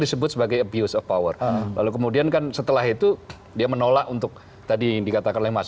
disebut sebagai abuser power lalu kemudian kan setelah itu dia menolak untuk tadi dikatakan lemas